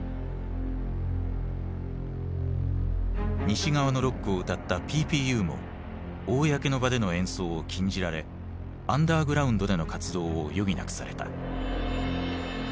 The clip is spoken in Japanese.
西側のロックを歌ったＰＰＵも公の場での演奏を禁じられアンダーグラウンドでの活動を余儀なくされた。